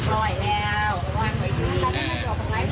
ก็อยู่อย่างนี้เลยก็เดินไปเลย